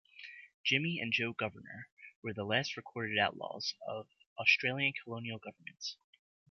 Jimmy and Joe Governor were the last recorded outlaws of Australian colonial governments.